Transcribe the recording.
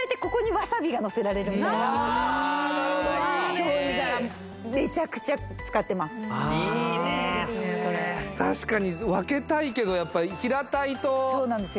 醤油皿いいねそれ確かに分けたいけどやっぱ平たいとそうなんですよ